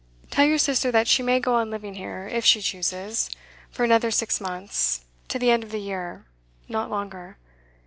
Tell your sister that she may go on living here, if she chooses, for another six months, to the end of the year not longer.